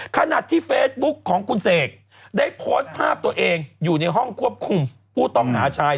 ขณะที่เฟซบุ๊คของคุณเสกได้โพสต์ภาพตัวเองอยู่ในห้องควบคุมผู้ต้องหาชาย